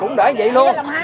cũng đỡ vậy luôn